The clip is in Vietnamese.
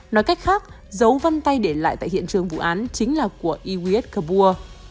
nói cách khác dấu vân tay để lại tại hiện trường vụ án chính là của i w s kabur